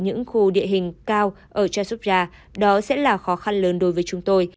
những khu địa hình cao ở jasupja đó sẽ là khó khăn lớn đối với chúng tôi